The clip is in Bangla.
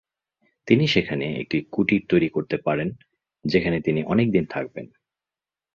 তিনি সেখানে একটি কুটির তৈরী করতে পারেন যেখানে তিনি অনেকদিন থাকবেন।